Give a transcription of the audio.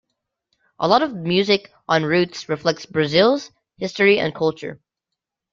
A lot of the music on "Roots" reflects Brazil's history and culture.